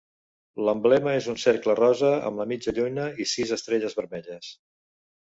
L'emblema és un cercle rosa amb la mitja lluna i sis estrelles vermelles.